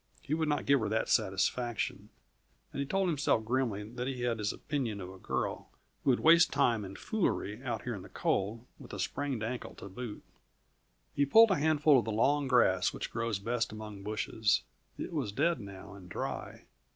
He would not give her that satisfaction; and he told himself grimly that he had his opinion of a girl who would waste time in foolery, out here in the cold with a sprained ankle, to boot. He pulled a handful of the long grass which grows best among bushes. It was dead now, and dry.